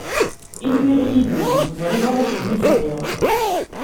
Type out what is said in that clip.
Ilwiɣ yid-i, teẓriḍ ala kem i sɛiɣ